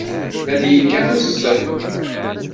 La d-yekkat udfel.